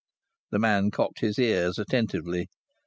The man cocked his ears attentively.